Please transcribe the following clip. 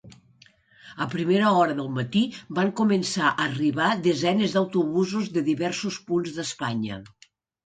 A primera hora del matí van començar a arribar desenes d'autobusos de diversos punts d'Espanya.